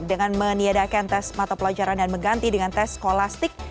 dengan meniadakan tes mata pelajaran dan mengganti dengan tes kolastik